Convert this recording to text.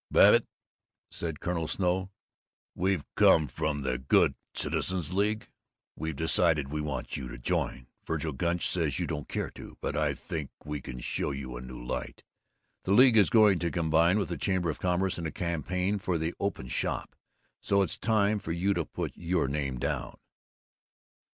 "Babbitt," said Colonel Snow, "we've come from the Good Citizens' League. We've decided we want you to join. Vergil Gunch says you don't care to, but I think we can show you a new light. The League is going to combine with the Chamber of Commerce in a campaign for the Open Shop, so it's time for you to put your name down."